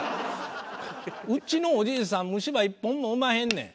「うちのおじいさん虫歯１本もおまへんねん」。